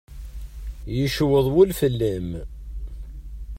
Yecweḍ wul fell-am.